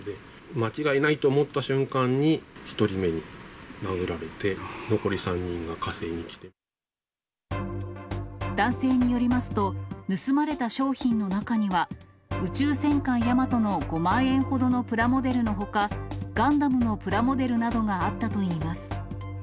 間違いないと思った瞬間に、１人目に殴られて、男性によりますと、盗まれた商品の中には、宇宙戦艦ヤマトの５万円ほどのプラモデルのほか、ガンダムのプラモデルなどがあったといいます。